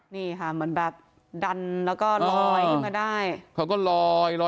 นี่ค่ะเหมือนแบบดันแล้วก็ลอยขึ้นมาได้เขาก็ลอยลอย